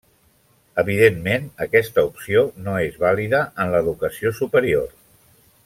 Evidentment, aquesta opció no és vàlida en l'Educació Superior.